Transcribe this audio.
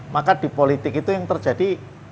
maka di politik itu yang terjadi